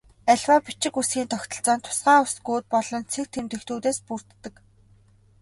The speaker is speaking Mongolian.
Аливаа бичиг үсгийн тогтолцоо нь тусгай үсгүүд болон цэг тэмдэгтүүдээс бүрддэг.